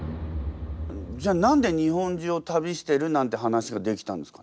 じゃあ何で日本中を旅してるなんて話ができたんですかね？